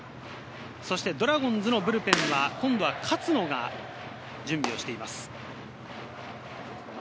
ドラゴンズのブルペンでは勝野が準備しています。